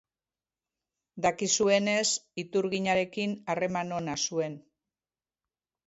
Dakizuenez, iturginarekin harreman ona zuen.